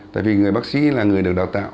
tại vì người bác sĩ là người được đào tạo